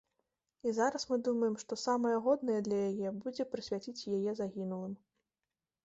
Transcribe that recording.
І зараз мы думаем, што самае годнае для яе будзе прысвяціць яе загінулым.